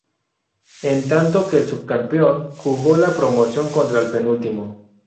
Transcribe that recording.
En tanto que el subcampeón jugó la promoción contra el penúltimo.